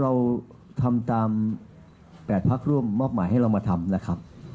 เราทำตาม๘พักร่วมมอบหมายให้เรามาทำนะครับ